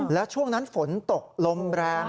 แล้วช่วงนั้นฝนตกลมแรง